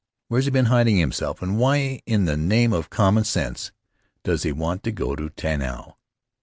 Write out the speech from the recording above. Where's he been hiding himself? And why in the name of common sense does he want to go to Tanao?